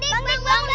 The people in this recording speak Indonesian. bang dik bangun